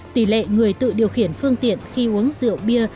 tỷ lệ người tự điều khiển phương tiện khi uống rượu bia